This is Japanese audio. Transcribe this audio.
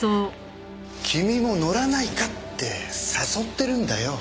君も乗らないかって誘ってるんだよ。